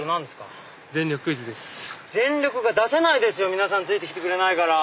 皆さんついてきてくれないから。